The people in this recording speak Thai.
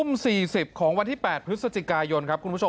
ทุ่ม๔๐ของวันที่๘พฤศจิกายนครับคุณผู้ชม